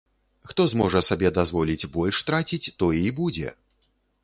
Хто зможа сабе дазволіць больш траціць, той і будзе.